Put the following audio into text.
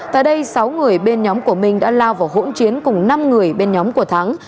tại đây sáu người bên nhóm của minh đã lao vào hỗn chiến cùng năm người bên nhóm của thắng